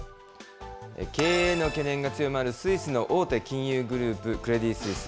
経営への懸念が強まるスイスの大手金融グループ、クレディ・スイス。